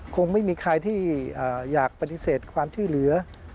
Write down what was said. คงไม่มีใครที่อยากปฏิเสธความช่วยเหลือ